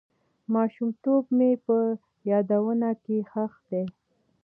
ماشومتوب مې په یادونو کې ښخ دی.